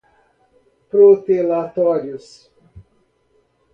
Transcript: protelatórios